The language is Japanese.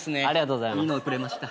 いいのくれました。